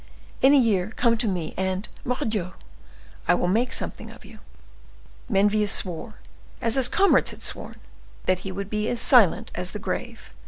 In a year come to me, and, Mordioux! I will make something of you." Menneville swore, as his comrades had sworn, that he would be as silent as the grave.